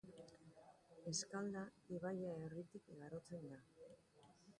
Eskalda ibaia herritik igarotzen da.